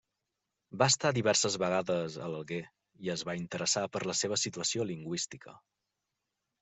Va estar diverses vegades a l'Alguer i es va interessar per la seva situació lingüística.